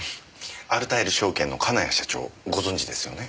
アルタイル証券の金谷社長ご存じですよね？